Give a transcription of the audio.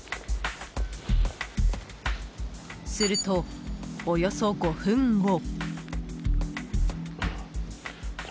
すると、およそ５分後。